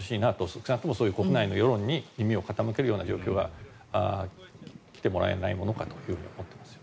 少なくともそういう国内の世論に耳を傾けるような状況が来てもらえないものかと思っています。